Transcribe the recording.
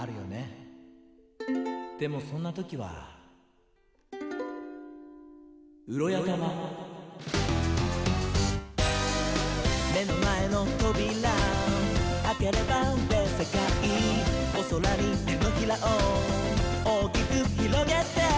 「でもそんなときはウロヤタマ」「めのまえのトビラあければべっせかい」「おそらにてのひらをおおきくひろげて」